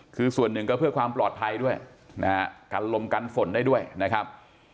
คือส่วนหนึ่งก็เพื่อความปลอดภัยด้วยนะฮะกันลมกันฝนได้ด้วยนะครับ